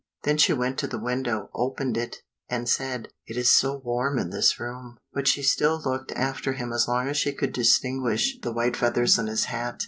Then she went to the window, opened it, and said, "It is so warm in this room!" but she still looked after him as long as she could distinguish the white feathers in his hat.